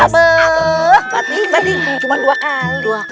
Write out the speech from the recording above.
batin cuma dua kali